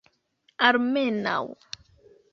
almenaŭ